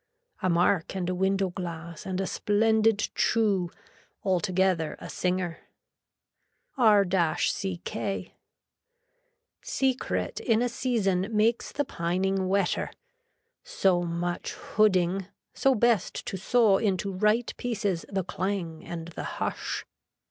A mark and a window glass and a splendid chew, altogether a singer. R CK. Secret in a season makes the pining wetter. So much hooding, so best to saw into right pieces the clang and the hush.